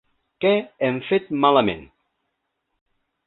Què hem fet malament?